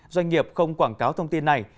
doanh nghiệp không quảng cáo thông tin này